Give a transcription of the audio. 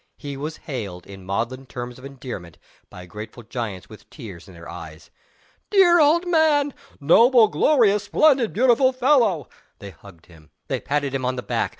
He was hailed, in maudlin terms of endearment, by grateful giants with tears in their eyes. "Dear old man!" "Glorious, noble, splendid, beautiful fellow!" They hugged him. They patted him on the back.